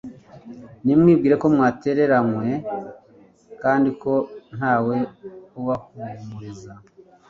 Ntimwibwire ko mwatereranywe kandi ko ntawe ubahumuriza.